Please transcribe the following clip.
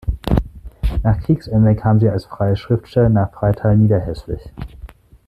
Nach Kriegsende kam sie als freie Schriftstellerin nach Freital-Niederhäslich.